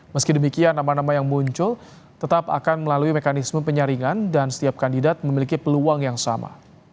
meski demikian nama nama yang muncul tetap akan melalui mekanisme penyaringan dan setiap kandidat memiliki peluang yang sama